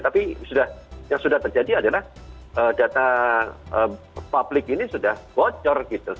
tapi yang sudah terjadi adalah data publik ini sudah bocor gitu